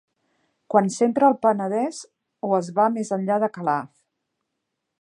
Quan s'entra al Penedès o es va més enllà de Calaf